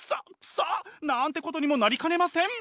臭っ！なんてことにもなりかねません。